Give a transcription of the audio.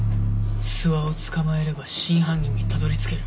諏訪を捕まえれば真犯人にたどりつける。